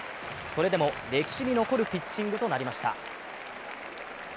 それでも歴史に残るピッチングとなりました。